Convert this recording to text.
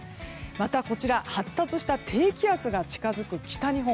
また、発達した低気圧が近づく北日本。